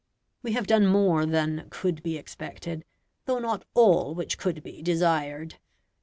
We have done more than could be expected, though not all which could be desired.